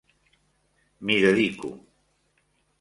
M'hi dedico.